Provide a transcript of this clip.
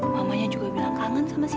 mamanya juga bilang kangen sama si